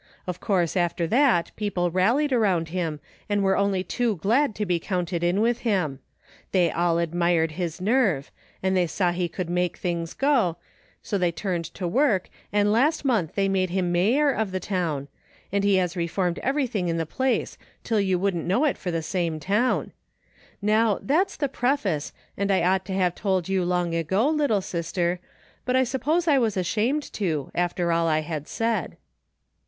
Of course after that people rallied around him and were only too glad to be counted in with him. They all admired his nerve, and they saw he could make things go, so they turned to work and last month they made him mayor of the town, and he has reformed everything in the place, till you wouldn't know it for the same town. Now, that's the preface and I ought to have told you long ago, little sister, but I suppose I was ashamed to, after all I had said.